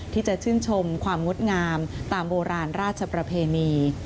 ที่จะชื่นชมความงดงามตามโบราณราชประเพณี